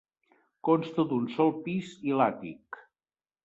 Consta d'un sol pis i l'àtic.